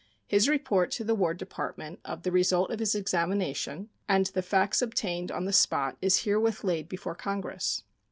His report to the War Department of the result of his examination and the facts obtained on the spot is herewith laid before Congress.